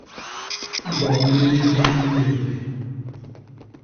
Gwom bi nimbii ni mbédgé.